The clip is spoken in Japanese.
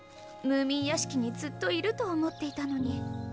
ムーミン屋敷にずっといると思っていたのに。